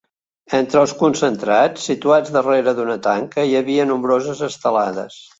Entre els concentrats, situats darrere d’una tanca, hi havia nombroses estelades.